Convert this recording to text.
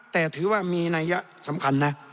แต่ถือว่ามีนัยยะสำคัญนะ